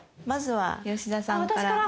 まずは吉田さんから。